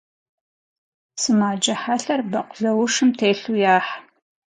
Сымаджэ хьэлъэр бэкъулаушым телъу яхь.